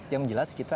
ya menjelaskan kita